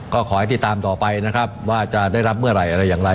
ก็ขอให้ติดตามต่อไปนะครับว่าจะได้รับเมื่อไหร่อะไรอย่างไร